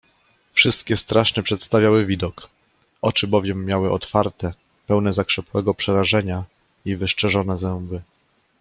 Wszystkie straszny przedstawiały widok, oczy bowiem miały otwarte, pełne zakrzepłego przerażenia i wyszczerzone zęby.